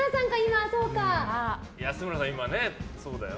安村さん、今そうだよ。